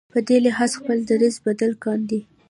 په دې لحاظ خپل دریځ بدل کاندي.